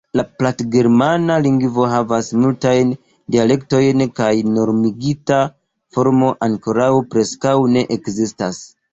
La platgermana lingvo havas multajn dialektojn kaj normigita formo ankoraŭ preskaŭ ne ekzistas.